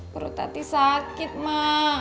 perut tati sakit ma